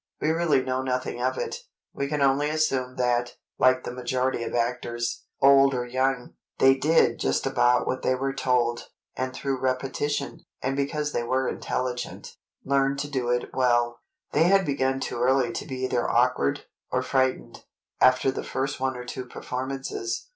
We really know nothing of it; we can only assume that, like the majority of actors, old or young, they did just about what they were told, and through repetition, and because they were intelligent, learned to do it well. [Illustration: LILLIAN AND DOROTHY GISH] They had begun too early to be either awkward, or frightened, after the first one or two performances.